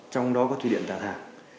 trong đó có thủy điện tà thàng